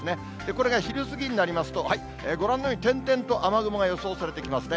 これが昼過ぎになりますと、ご覧のように、点々と雨雲が予想されてきますね。